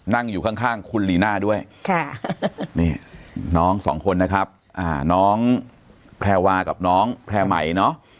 นั่งอยู่ข้างคุณลีน่าด้วยนี่น้องสองคนนะครับน้องแพรวากับน้องแพร่ใหม่เนาะ